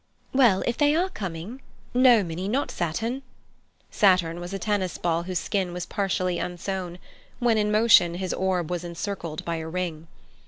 "Well, if they are coming—No, Minnie, not Saturn." Saturn was a tennis ball whose skin was partially unsewn. When in motion his orb was encircled by a ring.